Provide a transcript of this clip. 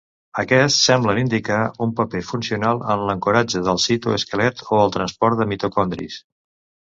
Aquests semblen indicar un paper funcional en l'ancoratge del citoesquelet o el transport de mitocondris.